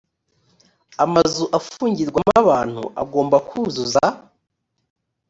amazu afungirwamo abantu agomba kuzuza